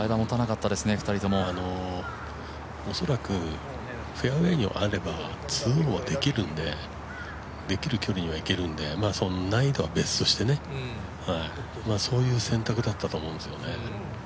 恐らく、フェアウエーに上がれば２オンはできるんでできる距離にはいけるんで難易度は別としてね、そういう選択だったと思うんですよね。